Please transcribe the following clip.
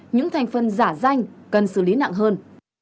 những thành phần giả danh cần xử lý nặng hơn